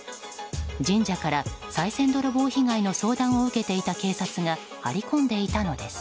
神社からさい銭泥棒被害の相談を受けていた警察が張り込んでいたのです。